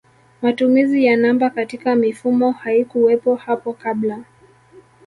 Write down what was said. Matumizi ya namba katika mifumo haikuwepo hapo kabla